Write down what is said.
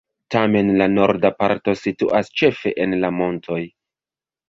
Tamen la norda parto situas ĉefe en la montoj.